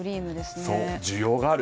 需要がある。